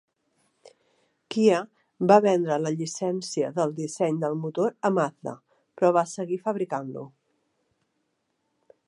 Kia va vendre la llicència del disseny del motor a Mazda, però va seguir fabricant-lo.